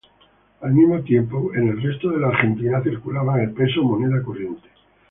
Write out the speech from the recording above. Al mismo tiempo, en el resto de la Argentina circulaba el Peso Moneda Corriente.